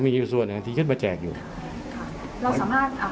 มีอีกส่วนอย่างที่ยึดมาแจกอยู่ค่ะเราสามารถอ่าให้ข้อมูล